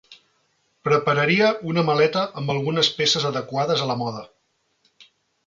Prepararia una maleta amb algunes peces adequades a la moda.